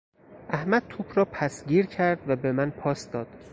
احمد توپ را پسگیر کرد و به من پاس داد.